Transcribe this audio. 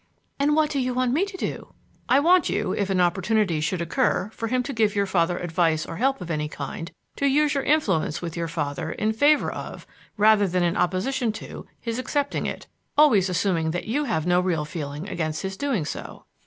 "And what do you want me to do?" "I want you, if an opportunity should occur for him to give your father advice or help of any kind, to use your influence with your father in favor of, rather than in opposition to, his accepting it always assuming that you have no real feeling against his doing so."